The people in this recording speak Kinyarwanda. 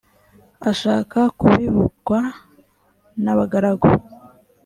ashaka bivugwa n abagaragu